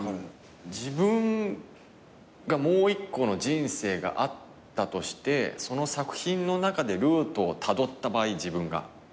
自分がもう１個の人生があったとしてその作品の中でルートをたどった場合自分が。